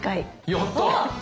やった！